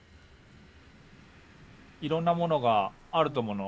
いろんなものがあると思うの。